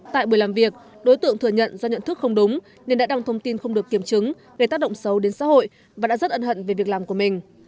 tại buổi làm việc đối tượng thừa nhận do nhận thức không đúng nên đã đăng thông tin không được kiểm chứng gây tác động xấu đến xã hội và đã rất ân hận về việc làm của mình